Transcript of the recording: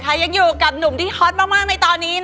แต่ใครยังอยู่กับหนุ่มที่ฮอตเยอะมากในตอนนี้